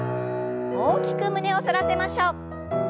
大きく胸を反らせましょう。